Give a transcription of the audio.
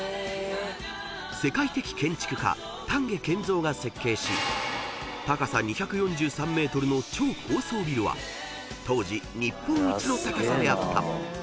［世界的建築家丹下健三が設計し高さ２４３ｍの超高層ビルは当時日本一の高さであった］